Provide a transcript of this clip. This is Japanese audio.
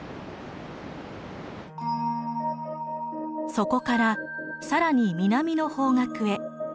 そこから更に南の方角へ。